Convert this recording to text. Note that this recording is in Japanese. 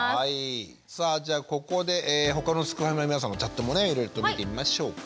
さあじゃあここで他のすくファミの皆さんのチャットもねいろいろと見てみましょうか。